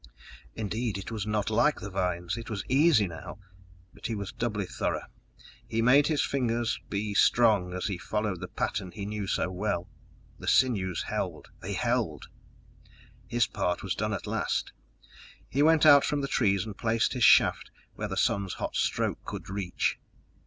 Indeed it was not like the vines! It was easy now, but he was doubly thorough; he made his fingers be strong as he followed the pattern he knew so well. The sinews held, they held! His part done at last, he went out from the trees and placed his shaft where the sun's hot stroke could reach.